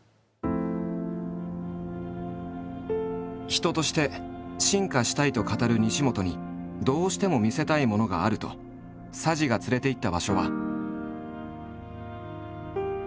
人として「進化したい」と語る西本にどうしても見せたいものがあると佐治が連れて行った場所は。